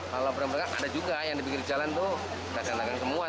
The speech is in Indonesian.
kalau pedagang pedagang ada juga yang di pinggir jalan tuh pedagang pedagang semua